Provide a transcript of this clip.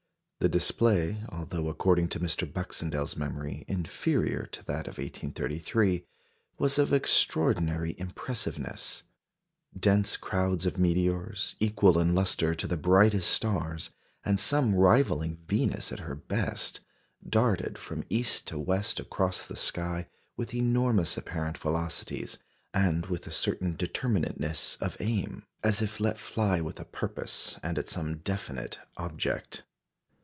The display, although, according to Mr. Baxendell's memory, inferior to that of 1833, was of extraordinary impressiveness. Dense crowds of meteors, equal in lustre to the brightest stars, and some rivalling Venus at her best, darted from east to west across the sky with enormous apparent velocities, and with a certain determinateness of aim, as if let fly with a purpose, and at some definite object.